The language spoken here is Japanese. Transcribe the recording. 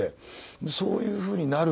でそういうふうになる